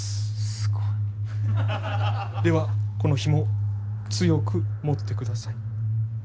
すごい！ではこのひもを強く持ってください。